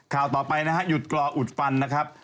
ข่าวต่อไปหยุดกล่ออุดฟันนะครับ